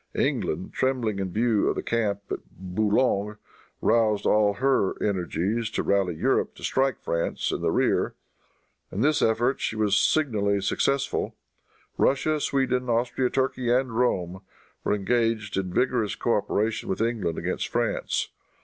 England, trembling in view of the camp at Boulogne, roused all her energies to rally Europe to strike France in the rear. In this effort she was signally successful. Russia, Sweden, Austria, Turkey and Rome, were engaged in vigorous coöperation with England against France.